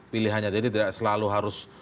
pilihannya jadi tidak selalu harus